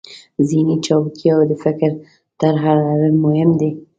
ذهني چابکي او د فکر طرحه لرل مهم دي.